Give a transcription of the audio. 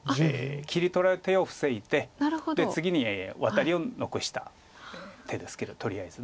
切り取られる手を防いで次にワタリを残した手ですけどとりあえず。